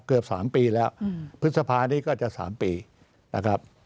เกือบ๓ปีแล้วพฤษภานี้ก็จะ๓ปีนะครับ